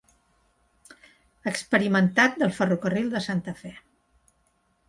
Experimentat del ferrocarril de Santa Fe.